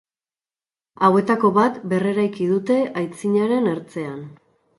Hauetako bat berreraiki dute aintziraren ertzean.